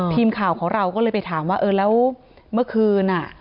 ทีมข่าวของเราก็เลยไปถามว่าเออแล้วเมื่อคืนอ่ะ